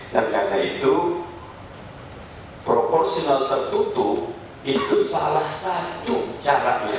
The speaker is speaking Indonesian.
dan karena itu proporsional tertutup itu salah satu caranya